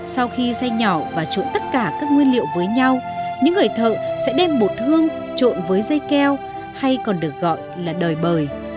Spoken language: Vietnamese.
sau khi xây nhỏ và trộn tất cả các nguyên liệu với nhau những người thợ sẽ đem bột hương trộn với dây keo hay còn được gọi là đời